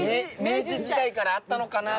明治時代からあったのかな？